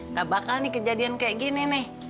nggak bakal nih kejadian kayak gini nek